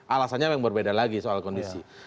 alasannya memang berbeda lagi soal kondisi